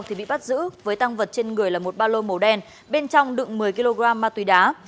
thì bị bắt giữ với tăng vật trên người là một ba lô màu đen bên trong đựng một mươi kg ma túy đá